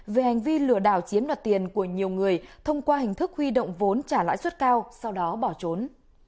về hành vi lừa đảo chiếm đoạt tiền của nhiều người thông qua hình thức huy động vốn trả lãi suất cao sau đó bỏ trốn